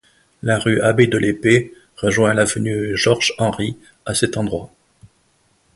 La rue Abbé de L'Épée rejoint l'avenue Georges Henri à cet endroit.